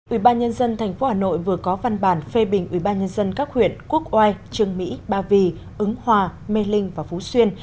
ủy ban nhân dân thành phố hà nội vừa có văn bản phê bình ủy ban nhân dân các huyện quốc oai trường mỹ ba vì ứng hòa mê linh và phú xuyên